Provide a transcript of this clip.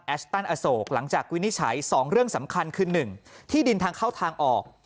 ตันอโศกหลังจากวินิจฉัย๒เรื่องสำคัญคือ๑ที่ดินทางเข้าทางออก